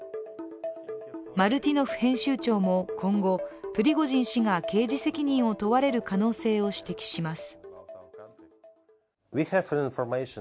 マルティノフ編集長も今後、プリゴジン氏が刑事責任を問われる可能性を指摘します。